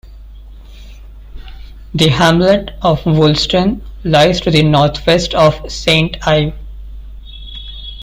The hamlet of Woolston lies to the northwest of Saint Ive.